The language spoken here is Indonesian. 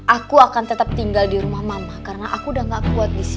aku akan tetap tinggal di rumah mama karena aku udah gak kuat di sini